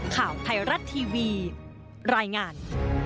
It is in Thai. ข่าวไทยรัฐทีวีรายงาน